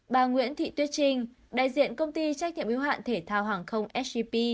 bà nguyễn thị tuyết trinh đại diện công ty trách nhiệm yếu hạn thể thao hàng không sgp